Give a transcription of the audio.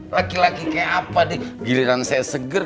laki laki kayak apa nih giliran saya seger